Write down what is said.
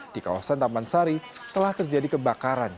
di kawasan taman sari telah terjadi kebakaran